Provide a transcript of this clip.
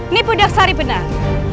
nipu daksari benar